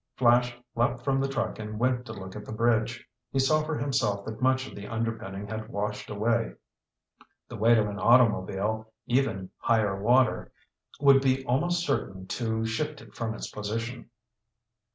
Flash leaped from the truck and went to look at the bridge. He saw for himself that much of the underpinning had washed away. The weight of an automobile, even higher water, would be almost certain to shift it from its position.